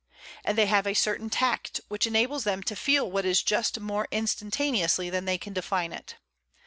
And they have a certain tact which enables them to feel what is just more instantaneously than they can define it.